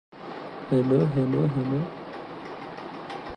Youth delegates came from different regions across the Philippines.